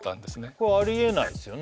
これはありえないですよね